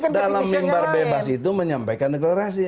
ya dalam imbar bebas itu menyampaikan deklarasi